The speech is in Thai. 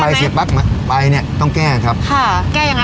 พี่แฮนจะแก้ไหมไปเนี้ยต้องแก้ครับค่ะแก้ยังไง